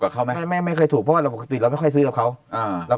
กับเขาไม่ไม่ไม่ค่อยถูกเพราะปกติเราไม่ค่อยซื้อเขาแล้ว